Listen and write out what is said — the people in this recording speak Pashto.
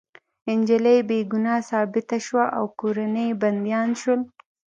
انجلۍ بې ګناه ثابته شوه او کورنۍ يې بندیان شول